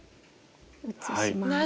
移します。